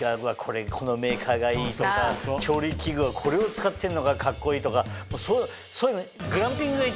このメーカーがいいとか調理器具はこれを使ってんのがカッコいいとかもうそういうの。